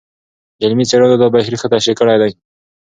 علمي څېړنو دا بهیر ښه تشریح کړی دی.